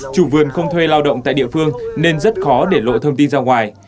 chủ vườn không thuê lao động tại địa phương nên rất khó để lộ thông tin ra ngoài